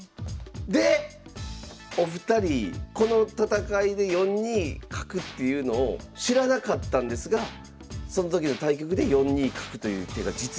でお二人この戦いで４二角っていうのを知らなかったんですがその時の対局で４二角という手が実現するという。